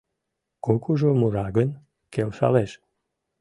Кукужо мура гын, келшалеш.